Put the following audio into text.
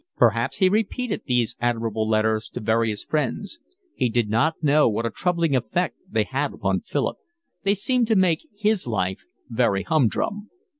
Perhaps he repeated these admirable letters to various friends. He did not know what a troubling effect they had upon Philip; they seemed to make his life very humdrum.